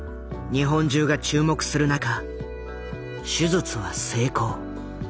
日本中が注目する中手術は成功。